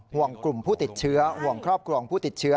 ห่วงกลุ่มผู้ติดเชื้อห่วงครอบครัวของผู้ติดเชื้อ